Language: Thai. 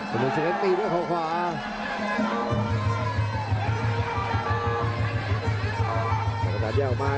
ตรงนี้สุดเล็กตีดแล้วเข้าขวา